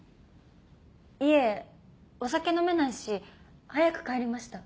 いえお酒飲めないし早く帰りました。